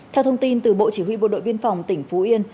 theo thông tin từ bộ chỉ huy bộ đội biên phòng tỉnh phú yên